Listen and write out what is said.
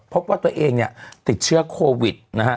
พบว่าตัวเองเนี่ยติดเชื้อโควิดนะฮะ